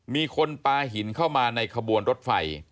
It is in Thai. มีคนปลาหินเข้ามาในขบวนรถไฟ